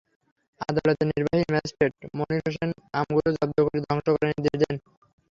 আদালতের নির্বাহী ম্যাজিস্ট্রেট মনির হোসেন আমগুলো জব্দ করে ধ্বংস করার নির্দেশ দেন।